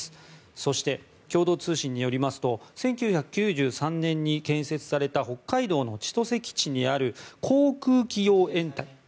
そして、共同通信によりますと１９９３年に建設された北海道の千歳基地にある航空機用掩体。